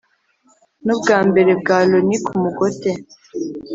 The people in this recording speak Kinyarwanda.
N'ubwa mbere bwa Loni ku Mugote